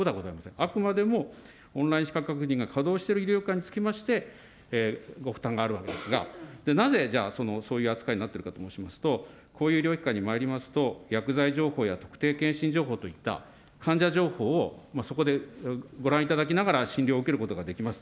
あくまでもオンラインしかく確認が稼働している医療機関につきまして、ご負担があるわけですが、なぜじゃあ、そういう扱いになっているかと申しますと、こういう医療機関にまいりますと、薬剤情報や特定健診情報といった患者情報を、そこでご覧いただきながら診療を受けることができます。